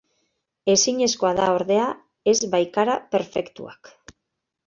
Ezinezkoa da ordea, ez baikara perfektuak.